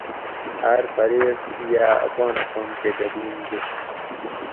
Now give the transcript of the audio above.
ھاۤر فریق یاۤ اپان اپان کہ درین گیس